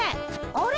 あれ？